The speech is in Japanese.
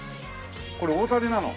これ大谷なの？